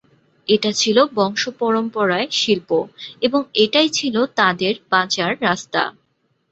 এটা ছিল বংশপরম্পরায় শিল্প, এবং এটাই ছিল তাঁদের বাঁচার রাস্তা।